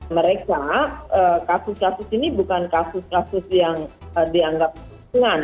mereka kasus kasus ini bukan kasus kasus yang dianggap ringan